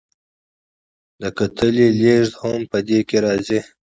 د کتلې لیږد هم په دې کې راځي.